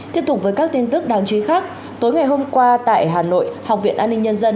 tiếp tục với các tin tức đáng chú ý khác tối ngày hôm qua tại hà nội học viện an ninh nhân dân